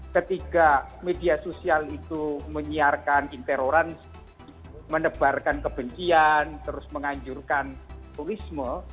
ketika media sosial itu menyiarkan interoransi menebarkan kebencian terus menganjurkan turisme